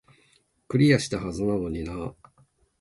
クリアしたはずなのになー